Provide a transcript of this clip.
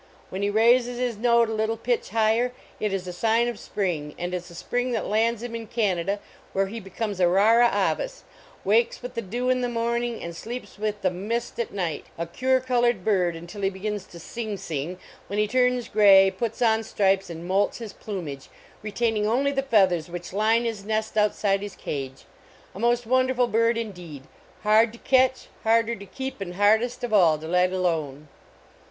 When he raises his note a little pitch higher it is a sign of spring, and it s a spring that lands him in Canada where he becomes a ram avis, wakes with the due in the morning and sleeps with the missed at night; a cuir colored bird until he begins to Sing Sing, when he turns gray, puts on stripes and moults his plumage, retaining only the feathers which line his nest outside his cage; a most wonderful bird indeed, hard 172 THE OLD ROAD SHOW to catch, harder to keep, and hardest of all to let alone.